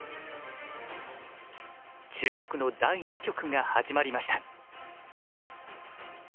注目の第２局が始まりました。